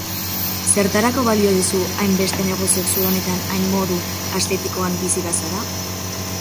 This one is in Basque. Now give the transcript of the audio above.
Zertarako balio dizu hainbeste negoziok zulo honetan hain modu aszetikoan bizi bazara?